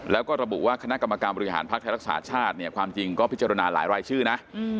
แล้วก็ระบุว่าคณะกรรมการบริหารภักดิ์ไทยรักษาชาติเนี่ยความจริงก็พิจารณาหลายรายชื่อนะ